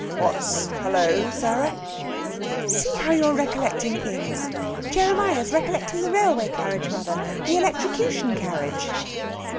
"What's 'hullo,' Sarah?" "See how you're recollecting things! Jeremiah's recollecting the railway carriage, mother the electrocution carriage."